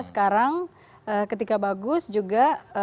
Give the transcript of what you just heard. sekarang ketika bagus juga